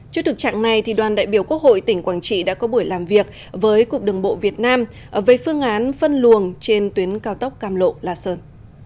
trước thực trạng này đoàn đại biểu quốc hội tỉnh quảng trị đã có buổi làm việc với cục đường bộ việt nam về phương án phân luồng trên tuyến cao tốc cam lộ la sơn